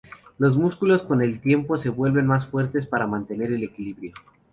Los músculos con el tiempo se vuelven más fuertes para mantener el equilibrio.